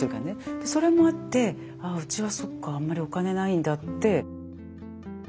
でそれもあって「ああうちはそっかあんまりお金ないんだ」って。